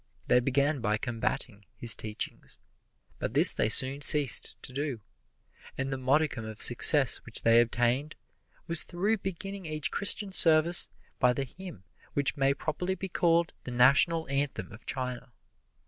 They began by combating his teachings, but this they soon ceased to do, and the modicum of success which they obtained was through beginning each Christian service by the hymn which may properly be called the National Anthem of China.